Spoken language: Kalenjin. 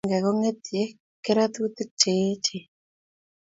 Kipakenge kongetiei keratutik che echen